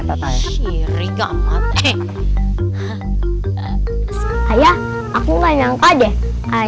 ayah aku nggak nyangka deh ayah bisa sehebat dan sekuat itu ya om aku juga nggak nyangka kalau om bisa silet sepintar ini